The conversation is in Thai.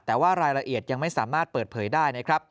แต่ว่ารายละเอียดยังไม่สามารถเปิดเผยได้นะครับ